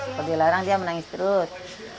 kalau dilarang dia menangis terus